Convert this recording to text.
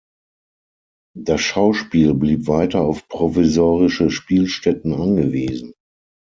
Das Schauspiel blieb weiter auf provisorische Spielstätten angewiesen.